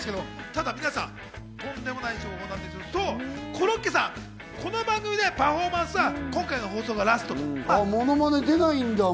ただ皆さん、とんでもない情報ですがコロッケさん、この番組でのパフォーマンスは今回の放送がラストなんです。